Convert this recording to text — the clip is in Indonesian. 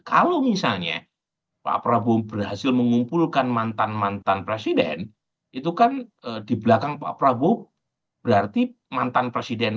kalau misalnya pak prabowo berhasil mengumpulkan mantan mantan presiden itu kan di belakang pak prabowo berarti mantan presiden